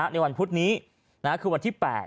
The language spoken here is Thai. ในวันพุธนี้คือวันที่๘